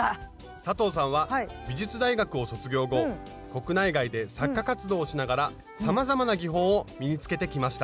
佐藤さんは美術大学を卒業後国内外で作家活動をしながらさまざまな技法を身につけてきました。